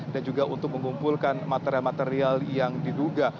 dan juga untuk mengumpulkan material material yang diduga